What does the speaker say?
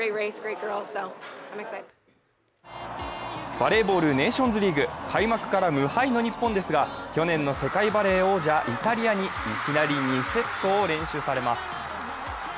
バレーボール、ネーションズリーグ開幕から無敗の日本ですが、去年の世界バレー王者、イタリアにいきなり２セットを連取されます。